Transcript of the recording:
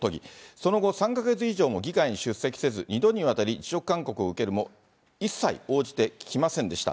その後、３か月以上も議会に出席せず、２度にわたり辞職勧告を受けるも、一切、応じてきませんでした。